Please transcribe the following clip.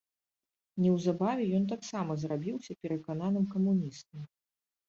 Неўзабаве ён таксама зрабіўся перакананым камуністам.